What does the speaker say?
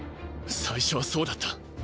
最初はそうだった。